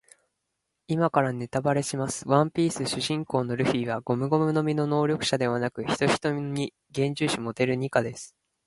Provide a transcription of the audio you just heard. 今からネタバレします。ワンピース主人公のルフィはゴムゴムの実の能力者ではなく、ヒトヒトの実幻獣種モデルニカです。